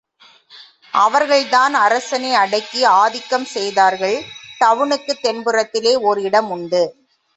அவர்கள் தான் அரசனை அடக்கி ஆதிக்கம் செய்தார்கள். டவுனுக்குத் தென்புறத்திலே ஓர் இடம் உண்டு.